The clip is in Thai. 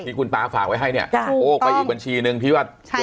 ที่คุณตาฝากไว้ให้เนี่ยโอ้ไปอีกบัญชีนึงที่ว่า